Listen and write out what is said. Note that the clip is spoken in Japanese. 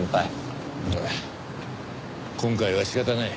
今回は仕方ない。